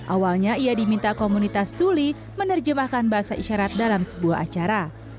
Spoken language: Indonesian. awalnya ia diminta komunitas tuli menerjemahkan bahasa isyarat dalam sebuah acara